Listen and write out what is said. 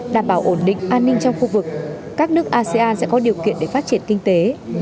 đảm bảo ổn định an ninh trong khu vực các nước asean sẽ có điều kiện để phát triển kinh tế